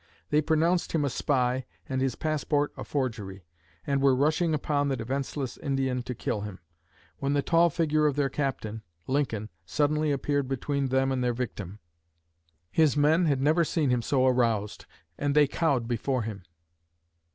They pronounced him a spy and his passport a forgery, and were rushing upon the defenseless Indian to kill him, when the tall figure of their captain, Lincoln, suddenly appeared between them and their victim. His men had never seen him so aroused, and they cowed before him.